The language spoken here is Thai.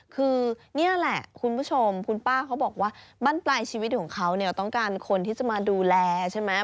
คือนี่แหละคุณผู้ชมคุณป้าเขาบอกว่าบ้านปลายชีวิตของเขาเนี่ยต้องการคนที่จะมาดูแลใช่ไหม